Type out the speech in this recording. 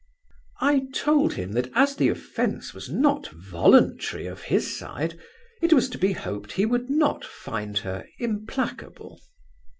I told him, that as the offence was not voluntary of his side, it was to be hoped he would not find her implacable.